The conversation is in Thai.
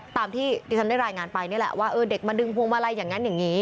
ตามที่ที่ฉันได้รายงานไปนี่แหละว่าเด็กมาดึงพวงมาลัยอย่างนั้นอย่างนี้